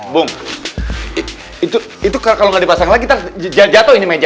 bung itu kalau gak dipasang lagi jatuh ini meja